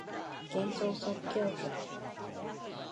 幻想即興曲